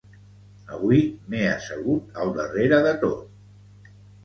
Avui m'he assegut al darrere de tot